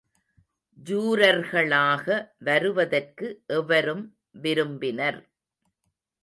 ஜூரர்களாக வருவதற்கு எவரும் விரும்பினர்.